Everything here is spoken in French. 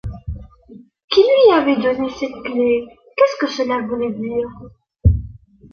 Qui lui avait donné cette clé? qu’est-ce que cela voulait dire ?